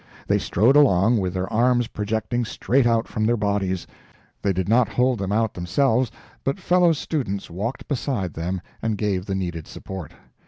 They strode along, with their arms projecting straight out from their bodies; they did not hold them out themselves, but fellow students walked beside them and gave the needed support.